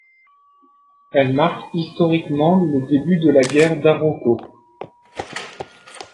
Elle marque historiquement le début de la guerre d'Arauco.